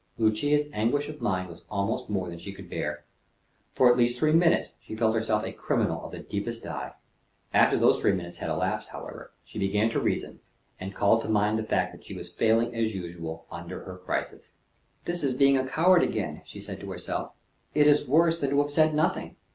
Lucia's anguish of mind was almost more than she could bear. For at least three minutes she felt herself a criminal of the deepest dye; after the three minutes had elapsed, however, she began to reason, and called to mind the fact that she was failing as usual under her crisis. "This is being a coward again," she said to herself. "It is worse than to have said nothing.